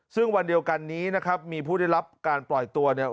ซึ่งวันเดียวกันนี้นะครับมีผู้ได้รับการปล่อยตัวเนี่ย